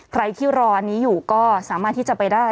ใครที่รออันนี้อยู่ก็สามารถที่จะไปได้